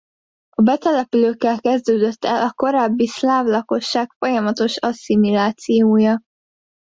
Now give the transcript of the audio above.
A betelepülőkkel kezdődött el a korábbi szláv lakosság folyamatos asszimilációja.